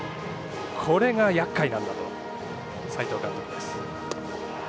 これがやっかいなんだと斎藤監督です。